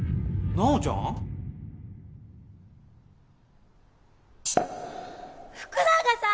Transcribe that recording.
・直ちゃん？福永さん！